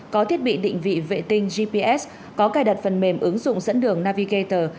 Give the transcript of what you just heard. có thiết bị định vị vệ tinh gps có cài đặt phần mềm ứng dụng dẫn đường navigate